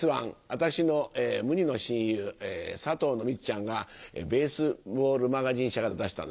私の無二の親友佐藤のみっちゃんがベースボール・マガジン社から出したんです。